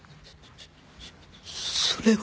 そそれは。